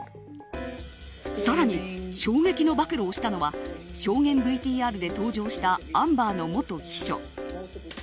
更に、衝撃の暴露をしたのは証言ＶＴＲで登場したアンバーの元秘書。